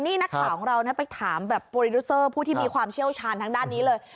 นี่นักข่าวของเราไปถามแบบโปรดิวเซอร์ผู้ที่มีความเชี่ยวชาญทางด้านนี้เลย